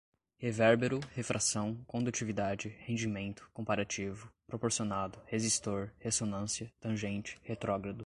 revérbero, refração, condutividade, rendimento, comparativo, proporcionado, resistor, ressonância, tangente, retrógrado